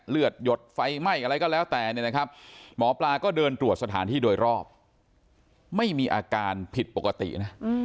หยดไฟไหม้อะไรก็แล้วแต่เนี่ยนะครับหมอปลาก็เดินตรวจสถานที่โดยรอบไม่มีอาการผิดปกตินะ